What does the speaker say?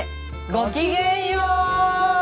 ごきげんよう！